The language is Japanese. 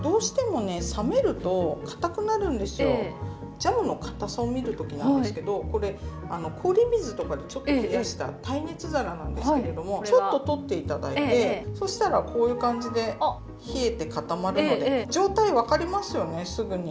ジャムの堅さを見るときなんですけどこれ氷水とかでちょっと冷やした耐熱皿なんですけれどもちょっと取って頂いてそしたらこういう感じで冷えて固まるので状態分かりますよねすぐに。